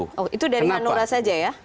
oh itu dari hanura saja ya